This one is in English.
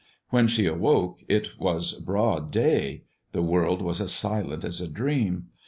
When she awoke, it was broad day. The world was as silent as a dream.